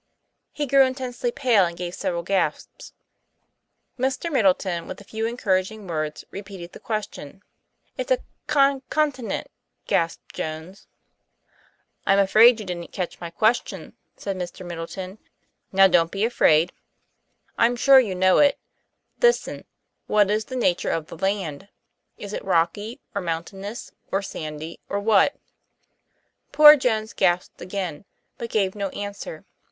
He grew intensely pale and gave several gasps. Mr. Middleton, with a few encouraging words, repeated the question. "It's a con continent," gasped Jones. "I'm afraid you didn't catch my question," said Mr. Middleton. "Now don't be afraid. I'm sure 6 82 TOM PLAYFAIR. you know it. Listen ; what is the nature of the land ? Is it rocky, or mountainous, or sandy, or what? Poor Jones gasped again, but gave no answer.